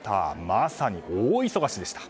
まさに大忙しでした。